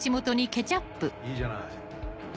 いいじゃない。